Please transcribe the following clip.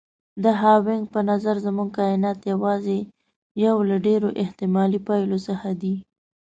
د هاوکېنګ په نظر زموږ کاینات یوازې یو له ډېرو احتمالي پایلو څخه دی.